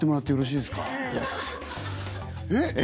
えっ！